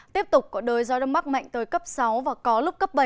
tiếp tục có đới gió đông bắc mạnh tới cấp sáu và có lúc cấp bảy